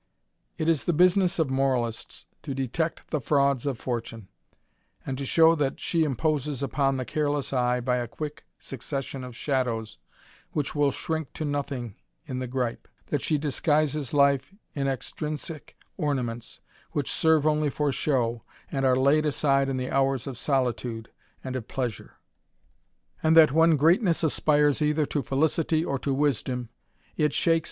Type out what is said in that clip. It is the business of moralists to detect the frauds of fortune, and to show that she imposes upon the careless eye^ by a quick succession of shadows, which will shrink to nothing in the gripe ; that she disguises life in extrinsick ornaments, which serve only for show, and are laid aside in the hours of solitude, and of pleasure; and that when greatness aspires either to felicity or to wisdom, it shakes THE RAMBLER.